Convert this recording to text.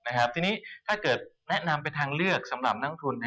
นะคะถ้าแนะนำเป็นทางเลือกสำหรับทั้งทุน